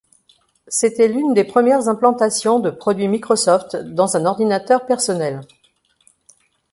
C'était l'une des premières implantation de produits Microsoft dans un ordinateur personnel.